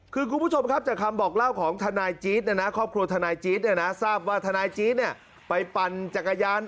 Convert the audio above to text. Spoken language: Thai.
คืนคุณผู้ชมครับจากคำบอกเล่าของทนายจี๊ดนะครับครอบครัวทนายจี๊ดนะทนายจี๊ดไปปันจักรยาน